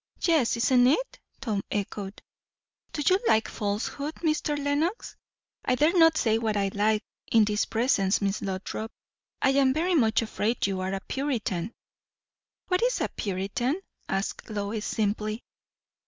"Yes, isn't it?" Tom echoed. "Do you like falsehood, Mr. Lenox?" "I dare not say what I like in this presence. Miss Lothrop, I am very much afraid you are a Puritan." "What is a Puritan?" asked Lois simply.